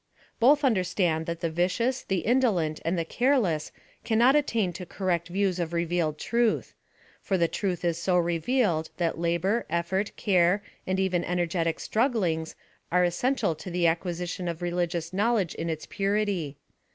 Both understand that the vicious, the indolent and the careless cannot attain to correct views of revealed truth ; for the truth is so revealed that labor, effort, care and even energetic strugglings are essential to the acqui sition of religious knowledge in its purity.